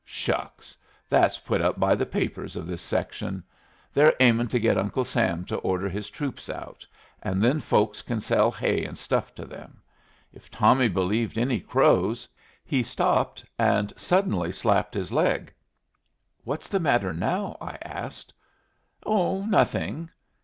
Shucks! That's put up by the papers of this section. They're aimin' to get Uncle Sam to order his troops out, and then folks can sell hay and stuff to 'em. If Tommy believed any Crows " he stopped, and suddenly slapped his leg. "What's the matter now?" I asked. "Oh, nothing."